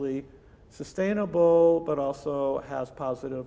tapi juga memiliki impact sosial yang positif